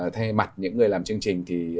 thay mặt những người làm chương trình thì